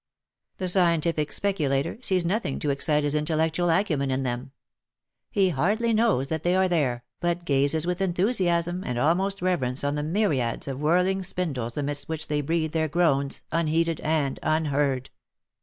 The scientific speculator sees nothing to excite his intellectual acumen in them ; he hardly knows that they are there, but gazes with enthu siasm and almost reverence on the myriads of whirling spindles amidst which they breathe their groans, unheeded, and unheard.